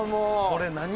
それ何？